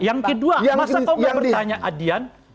yang kedua masa kau gak bertanya adian